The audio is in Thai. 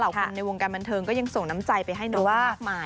คนในวงการบันเทิงก็ยังส่งน้ำใจไปให้น้องมากมาย